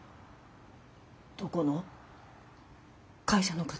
どこの？会社の方？